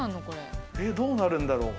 えっどうなるんだろう？